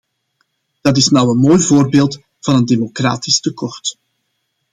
Dat is nou een mooi voorbeeld van het democratisch tekort.